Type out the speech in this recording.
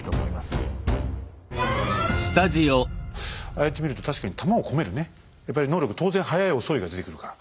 ああやって見ると確かに弾を込めるねやっぱり能力当然早い遅いが出てくるから。